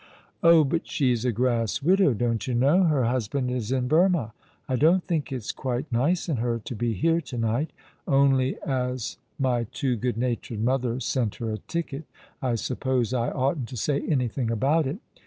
" Oh, but she's a grass widow, don't you know. Her husband is in Burmah. I don't think it's quite nice in her to be here to night; only as my too good natured mother sent her a ticket, I suppose I oughtn't to say anything about it.